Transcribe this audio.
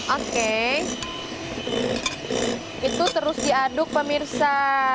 oke itu terus diaduk pak mirsa